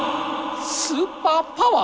スーパーパワー？